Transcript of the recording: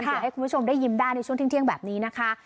เดี๋ยวให้คุณผู้ชมได้ยิ้มได้ในช่วงเที่ยงแบบนี้นะคะ